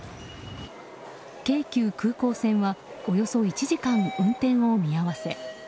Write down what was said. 京急空港線はおよそ１時間運転を見合わせ。